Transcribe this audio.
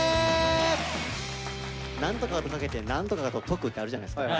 なんとかとかけてなんとかと解くってあるじゃないですか。